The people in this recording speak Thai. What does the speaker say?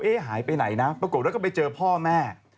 เอ๊หายไปไหนนะปรากฏว่าก็ไปเจอพ่อแม่